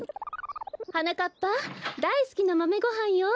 はなかっぱだいすきなまめごはんよ。